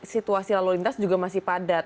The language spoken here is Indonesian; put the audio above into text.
situasi lalu lintas juga masih padat